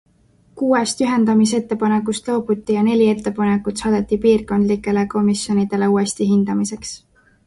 Kuuest ühendamisettepanekust loobuti ja neli ettepanekut saadeti piirkondlikele komisjonidele uuesti hindamiseks.